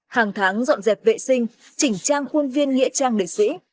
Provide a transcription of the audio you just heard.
hàng tháng dọn dẹp vệ sinh chỉnh trang khuôn viên nghĩa trang liệt sĩ